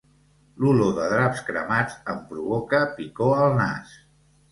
L'olor de draps cremats em provoca picor al nas.